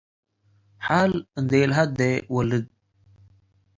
ሓል እንዴ ኢልሀዴ ወልድ።